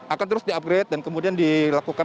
akan terus di upgrade dan kemudian dilakukan